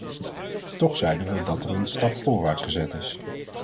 Toch zeiden we dat er een stap voorwaarts gezet is.